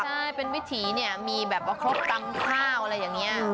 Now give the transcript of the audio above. ใช่เป็นวิถีเนี่ยมีแบบว่าครบตำข้าวอะไรอย่างนี้